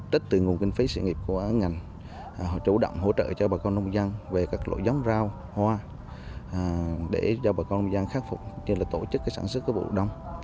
tích từ nguồn kinh phí sự nghiệp của ngành họ chủ động hỗ trợ cho bà con nông dân về các loại giống rau hoa để cho bà con nông dân khắc phục như là tổ chức sản xuất của vụ đông